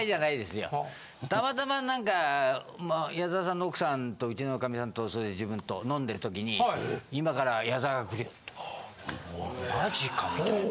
たまたま矢沢さんの奥さんとうちのかみさんとそれで自分と飲んでる時に今から矢沢がとマジかみたいな。